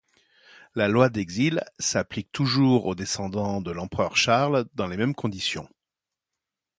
La loi d'exil s'applique toujours aux descendants de l'empereur Charles dans les mêmes conditions.